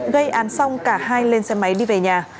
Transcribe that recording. gây án xong cả hai lên xe máy đi về nhà